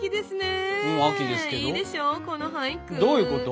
どういうこと？